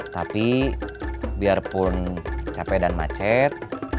tapi biarpun capek dan macet